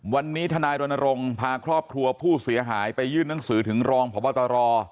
วันนี้ทนายรณรงค์พาครอบครัวผู้เสียหายไปยื่นหนังสือถึงรองพบตร